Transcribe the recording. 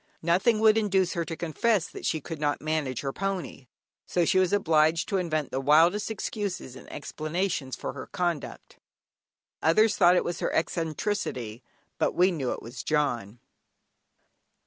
Nothing would induce her to confess that she could not manage her pony, so she was obliged to invent the wildest excuses and explanations for her conduct. Others thought it was her eccentricity, but we knew it was "John."